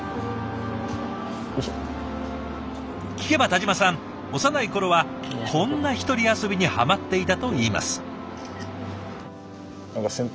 聞けば田嶋さん幼い頃はこんな一人遊びにハマっていたといいます。